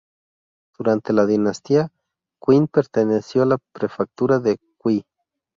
Durante la dinastía Qin perteneció a la prefectura de Qi.